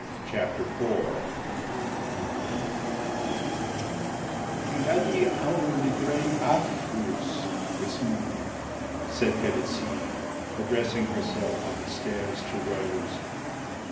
CHAPTER IV "Miladi a une migranie affreuse this morning," said Felicie, addressing herself on the stairs to Rose.